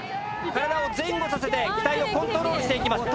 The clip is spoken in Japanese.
体を前後させて機体をコントロールしていきます。